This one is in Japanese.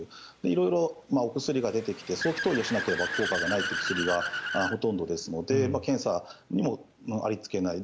色々、お薬が出てきて早期投与しなければ効果がないという薬がほとんどですので検査にもありつけない。